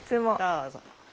どうぞ。